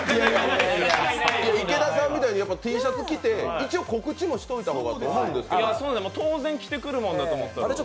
池田さんみたいにＴシャツ着て、一応告知もしといた方がいいと思ったんですがそうなんです、当然、着てくるものだと思ってたのですが。